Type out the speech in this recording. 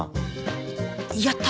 やった！